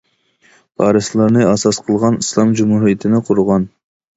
پارسلارنى ئاساس قىلغان ئىسلام جۇمھۇرىيىتىنى قۇرغان.